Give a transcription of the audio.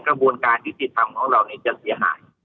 กระบวนการวิจิธรรมของเราเนี่ยจะเสียหาย